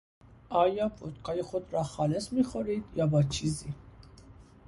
آیا ودکای خود را خالص میخورید یا با چیزی؟